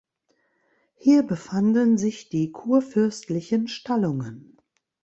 Hier befanden sich die kurfürstlichen Stallungen.